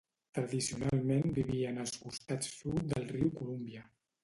Tradicionalment vivien als costats sud del riu Columbia.